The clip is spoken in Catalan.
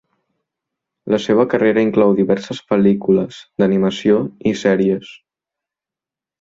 La seva carrera inclou diverses pel·lícules d'animació i series.